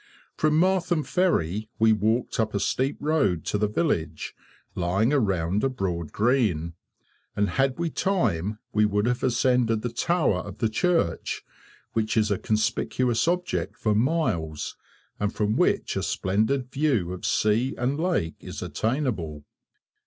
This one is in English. From Martham ferry we walked up a steep road to the village, lying around a broad green, and had we time we would have ascended the tower of the church, which is a conspicuous object for miles, and from which a splendid view of sea and lake is attainable.